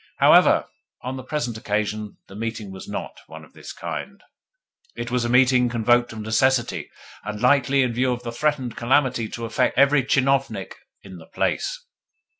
However, on the present occasion, the meeting was NOT one of this kind; it was a meeting convoked of necessity, and likely in view of the threatened calamity to affect every tchinovnik in the place.